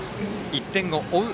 １点を追う